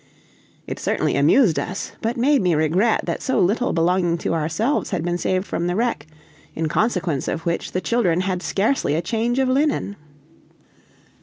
It certainly amused us, but made me regret that so little belonging to ourselves had been saved from the wreck, in consequence of which the children had scarcely a change of linen.